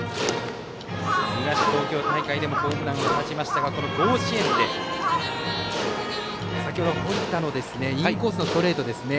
東東京大会でもホームランを放ちましたがこの甲子園で先ほど堀田のインコースのストレートですね。